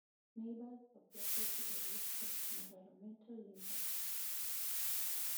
Neighbours objected to the risk of environmental impact.